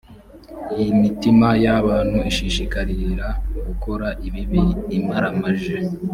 imitima y’abantu ishishikarira gukora ibibi imaramaje